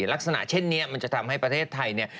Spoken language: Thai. ลักษณะเช่นนี้จะทำให้ประเทศไทย